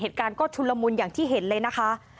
เหตุการณ์ก็ชุนละมุนอย่างที่เห็นเลยนะคะ